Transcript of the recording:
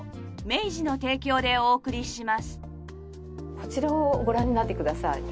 こちらをご覧になってください。